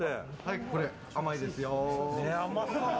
これ、甘いですよ。